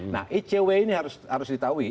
nah icw ini harus ditahui